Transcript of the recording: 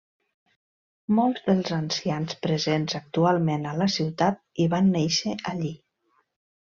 Molts dels ancians presents actualment a la ciutat hi van néixer allí.